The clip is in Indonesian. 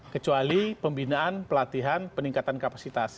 kecuali pembinaan pelatihan peningkatan kapasitas